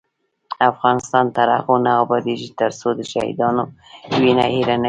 افغانستان تر هغو نه ابادیږي، ترڅو د شهیدانو وینه هیره نشي.